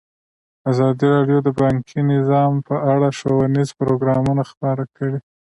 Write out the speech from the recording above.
ازادي راډیو د بانکي نظام په اړه ښوونیز پروګرامونه خپاره کړي.